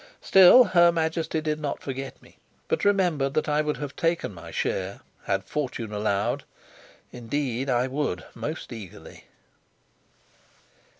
Still, her Majesty did not forget me, but remembered that I would have taken my share, had fortune allowed. Indeed I would most eagerly.